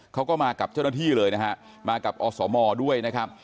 เขาก็มากับเจ้าหน้าที่เลยนะฮะมากับอสมด้วยนะครับ